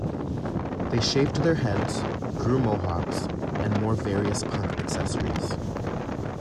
They shaved their heads, grew mohawks and wore various punk accessories.